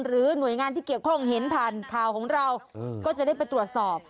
หรือหน่วยงานที่เกี่ยวข้องเห็นผ่านข่าวของเราก็จะได้ไปตรวจสอบ